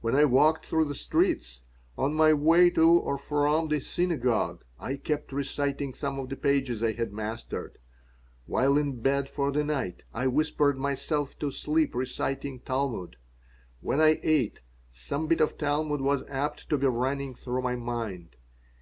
When I walked through the streets, on my way to or from the synagogue, I kept reciting some of the pages I had mastered. While in bed for the night, I whispered myself to sleep reciting Talmud. When I ate, some bit of Talmud was apt to be running through my mind.